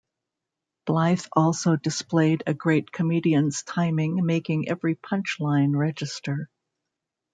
Blythe also displayed a great comedian's timing making every punch line register.